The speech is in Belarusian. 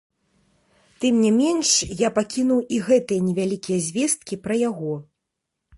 Тым не менш, я пакінуў і гэтыя невялікія звесткі пра яго.